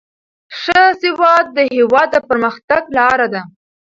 ښه سواد د هیواد د پرمختګ لاره ده.